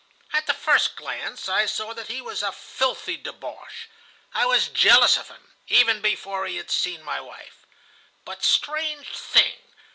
At the first glance I saw that he was a filthy débauché. I was jealous of him, even before he had seen my wife. But, strange thing!